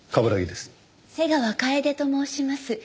瀬川楓と申します。